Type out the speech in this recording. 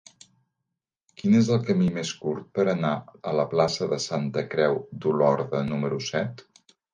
Quin és el camí més curt per anar a la plaça de Santa Creu d'Olorda número set?